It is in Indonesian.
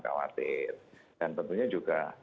khawatir dan tentunya juga